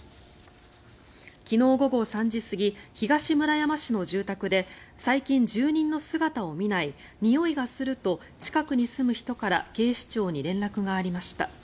昨日午後３時過ぎ東村山市の住宅で最近、住人の姿を見ないにおいがすると近くに住む人から警視庁に連絡がありました。